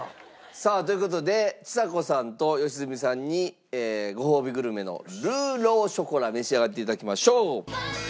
さあという事でちさ子さんと良純さんにごほうびグルメのルーローショコラ召し上がっていただきましょう。